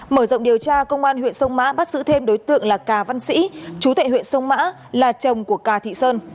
mở rộng điều tra công an huyện sông mã bắt giữ thêm đối tượng là cà văn sĩ chú thệ huyện sông mã là chồng của cà thị sơn